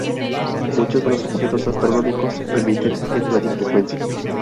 Muchos de los objetos astronómicos emiten en radiofrecuencia.